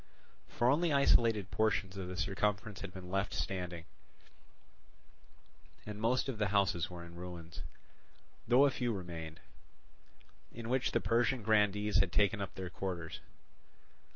For only isolated portions of the circumference had been left standing, and most of the houses were in ruins; though a few remained, in which the Persian grandees had taken up their quarters.